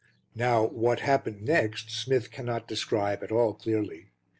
Now, what happened next Smith cannot describe at all clearly.